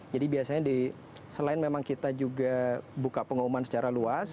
biasanya selain memang kita juga buka pengumuman secara luas